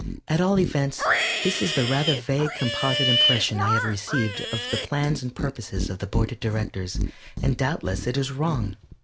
At all events, this is the rather vague composite impression I have received of the plans and purposes of the Board of Directors, and doubtless it is wrong.